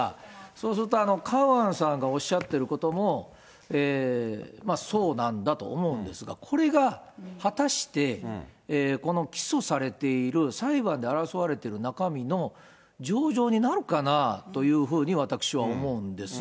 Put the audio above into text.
そうすると、カウアンさんがおっしゃってることもそうなんだと思うんですが、これが果たして、この起訴されている、裁判で争われている中身の情状になるかなというふうに、私は思うんです。